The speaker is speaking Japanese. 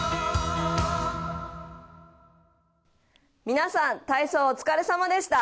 皆さん、体操、お疲れさまでした。